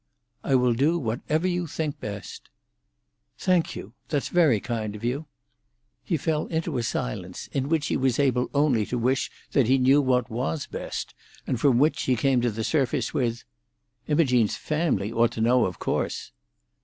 "I will do whatever you think best." "Thank you: that's very kind of you." He fell into a silence, in which he was able only to wish that he knew what was best, and from which he came to the surface with, "Imogene's family ought to know, of course."